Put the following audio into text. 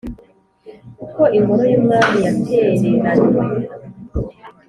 Kuko ingoro y’umwami yatereranywe,